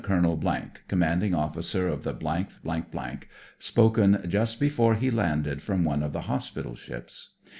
Colonel , Commanding Officer of the th , spoken just before he landed from one of the hospital ships.